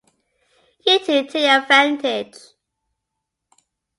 You too take advantage!